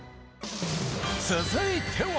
続いては。